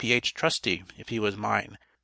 H. Trusty if he was mine Wm.